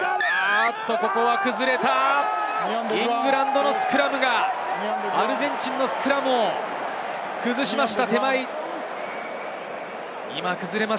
ここは崩れた、イングランドのスクラムがアルゼンチンのスクラムを崩しました。